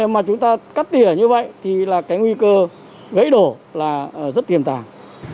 mà chúng ta cắt tỉa như vậy thì là cái nguy cơ gãy đổ là rất tiềm tàng